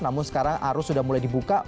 namun sekarang arus sudah mulai dibuka